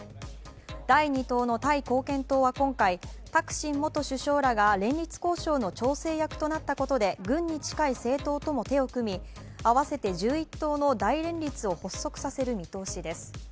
第２党のタイ貢献党は今回、タクシン元首相らが連立交渉の調整役となったことで軍に近い政党とも手を組み合わせて１１党の大連立を発足させる見通しです。